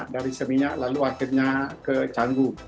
dari seminyak lalu akhirnya ke canggu